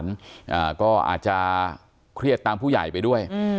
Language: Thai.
อยากให้สังคมรับรู้ด้วย